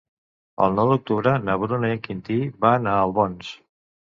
El nou d'octubre na Bruna i en Quintí van a Albons.